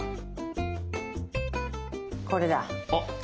これだ！